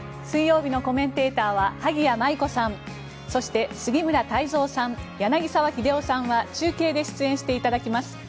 水曜日のコメンテーターは萩谷麻衣子さんそして杉村太蔵さん、柳澤秀夫さんは中継で出演していただきます。